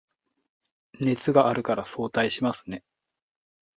熱があるから早退しますね